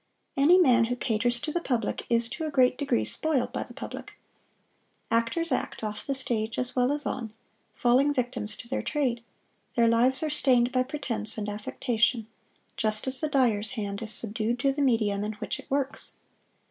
Any man who caters to the public is to a great degree spoiled by the public. Actors act off the stage as well as on, falling victims to their trade: their lives are stained by pretense and affectation, just as the dyer's hand is subdued to the medium in which it works.